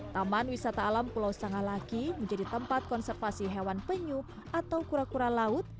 taman wisata alam pulau sangalaki menjadi tempat konservasi hewan penyu atau kura kura laut